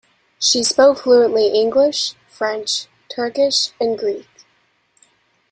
She spoke fluently English, French, Turkish and Greek.